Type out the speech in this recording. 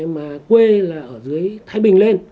mà quê là ở dưới thái bình lên